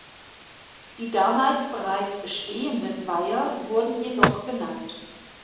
Die damals bereits bestehenden Weiher wurden jedoch genannt.